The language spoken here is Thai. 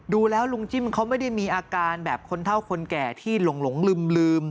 ดูแล้วลุงจิ้มเขาไม่ได้มีอาการแบบคนเท่าคนแก่ที่หลงลืม